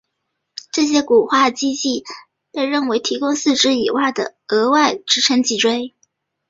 这些骨化肌腱被认为提供四肢以外的额外支撑脊椎。